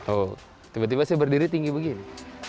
oh tiba tiba saya berdiri tinggi begini